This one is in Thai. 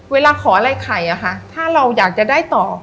เวลาขออะไรไข่อะค่ะถ้าเราอยากจะได้ต่อ